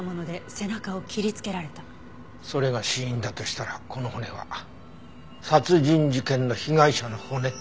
それが死因だとしたらこの骨は殺人事件の被害者の骨。